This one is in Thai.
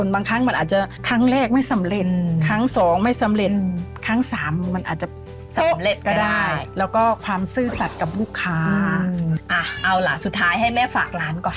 ปรากฏว่าได้ค่ะ